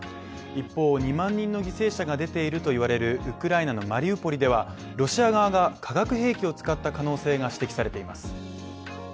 一方、２万人の犠牲者が出ていると言われるウクライナのマリウポリではロシア側が化学兵器を使った可能性が指摘されています。